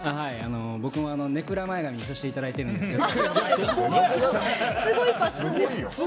僕も根暗前髪させていただいてるんですけど。